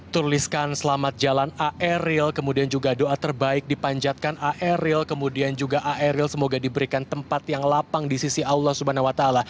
tuliskan selamat jalan aeryl kemudian juga doa terbaik dipanjatkan aeryl kemudian juga aeryl semoga diberikan tempat yang lapang di sisi allah swt